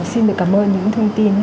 xin được cảm ơn những thông tin